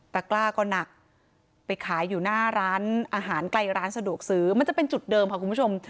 กล้าก็หนักไปขายอยู่หน้าร้านอาหารไกลร้านสะดวกซื้อมันจะเป็นจุดเดิมค่ะคุณผู้ชม